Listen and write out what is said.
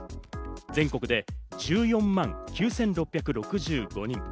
全国で１４万９６６５人。